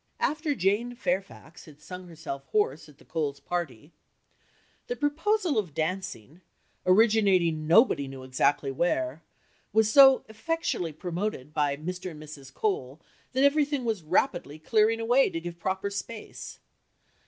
After Jane Fairfax had sung herself hoarse at the Coles' party "The proposal of dancing originating nobody exactly knew where was so effectually promoted by Mr. and Mrs. Cole that everything was rapidly clearing away, to give proper space.